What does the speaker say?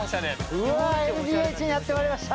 うわぁＬＤＨにやってまいりました！